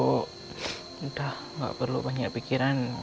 udah gak perlu banyak pikiran